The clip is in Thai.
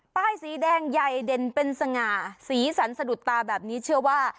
ป้ายสีแดงใหญ่เด่นเป็นสง่าสีสันสะดุดตาแบบนี้เชื่อว่า